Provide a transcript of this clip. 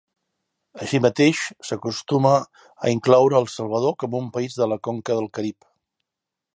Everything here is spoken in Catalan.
Així mateix s'acostuma a incloure El Salvador com un país de la conca del Carib.